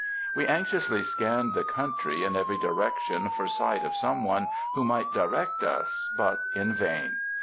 We anxiously scanned the country in every direc tion for sight of some one who might direct us, but in vain.